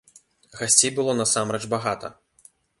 Гасцей было насамрэч багата.